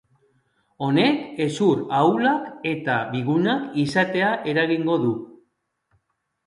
Honek, hezur ahulak eta bigunak izatea eragingo du.